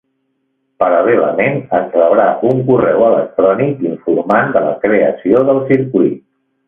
Paral·lelament es rebrà un correu electrònic informant de la creació del circuit.